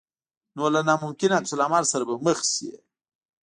نو له ناممکن عکس العمل سره به مخ شې.